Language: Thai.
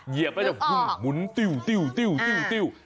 ยิบไปแล้วมุนติ้ว